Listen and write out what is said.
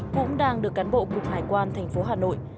cũng đang được cán bộ cục hải quan thành phố hà nội